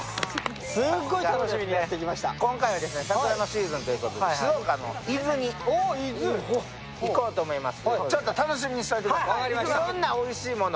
今回は桜のシーズンということで、静岡の伊豆に行こうと思います。